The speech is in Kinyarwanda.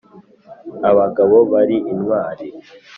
Abagabo bari intwari